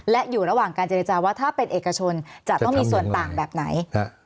และอยู่ระหว่างการเจรจาว่าถ้าเป็นเอกชนจะต้องมีส่วนต่างแบบไหน